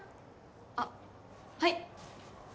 あっはい！